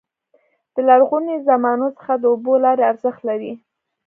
د لرغوني زمانو څخه د اوبو لارې ارزښت لري.